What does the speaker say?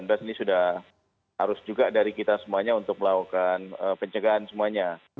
ini sudah harus juga dari kita semuanya untuk melakukan pencegahan semuanya